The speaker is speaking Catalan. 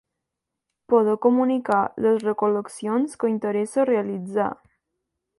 Poder comunicar les recol·leccions que interessa realitzar.